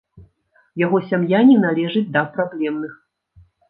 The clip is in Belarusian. Яго сям'я не належыць да праблемных.